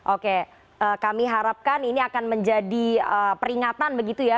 oke kami harapkan ini akan menjadi peringatan begitu ya